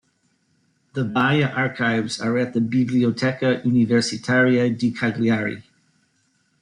The Baille archives are at the Biblioteca Universitaria di Cagliari.